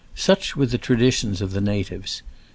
Such were the tra ditions of the natives.